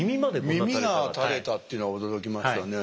耳が垂れたっていうのは驚きましたね。